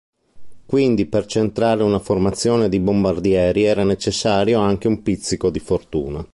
Quindi, per "centrare" una formazione di bombardieri, era necessario anche un pizzico di fortuna.